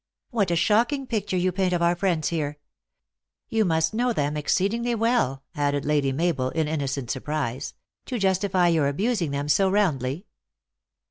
" What a shocking picture you paint of our friends here. Y.ou must know them exceedingly well," added Lady Mabel, in innocent surprise, "to justify your abusing them so roundly."